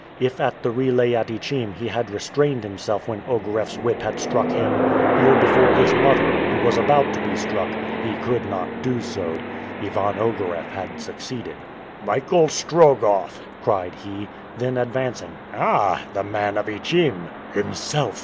If at the relay at Ichim he had restrained himself when Ogareff's whip had struck him, here before his mother, who was about to be struck, he could not do so. Ivan Ogareff had succeeded. "Michael Strogoff!" cried he. Then advancing, "Ah, the man of Ichim?" "Himself!"